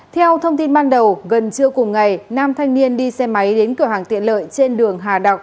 theo thông tin ban đầu gần trưa cùng ngày nam thanh niên đi xe máy đến cửa hàng tiện lợi trên đường hà đạo